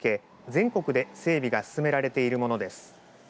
全国で整備が進められているものです。